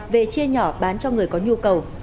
về chia nhỏ bán cho người có nhu cầu